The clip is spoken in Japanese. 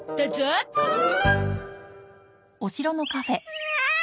うわ！